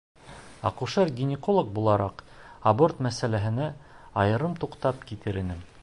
Акушер-гинеколог булараҡ, аборт мәсьәләһенә айырым туҡтап китер инем.